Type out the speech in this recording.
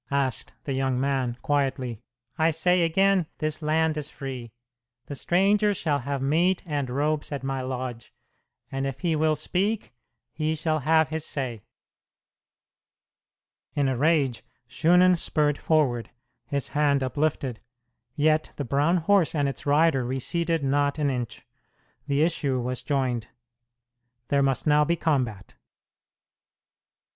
asked the young man, quietly. "I say again, this land is free. The stranger shall have meat and robes at my lodge, and if he will speak, he shall have his say." In a rage Shunan spurred forward, his hand uplifted; yet the brown horse and its rider receded not an inch. The issue was joined. There must now be combat!